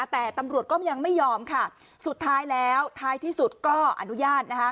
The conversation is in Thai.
แต่ตำรวจก็ยังไม่ยอมค่ะสุดท้ายแล้วท้ายที่สุดก็อนุญาตนะคะ